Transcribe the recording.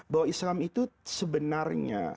bahwa islam itu sebenarnya